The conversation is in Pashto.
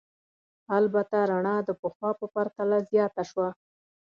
البته رڼا د پخوا په پرتله زیاته شوه.